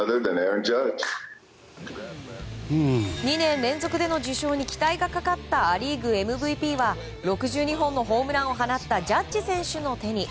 ２年連続での受賞に期待がかかったア・リーグＭＶＰは６２本のホームランを放ったジャッジ選手の手に。